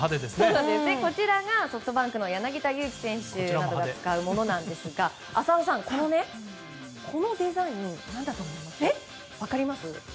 こちらが、ソフトバンクの柳田悠岐選手などが使うものだそうですが浅尾さん、このデザイン何だと思いますか？